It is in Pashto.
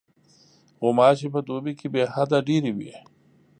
غوماشې په دوبي کې بېحده ډېرې وي.